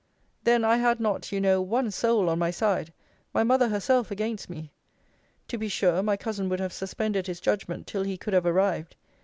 Then I had not, you know, one soul on my side; my mother herself against me. To be sure my cousin would have suspended his judgment till he could have arrived.